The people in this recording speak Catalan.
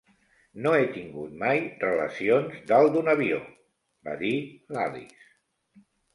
"No he tingut mai relacions dalt d'un avió", va dir l'Alice.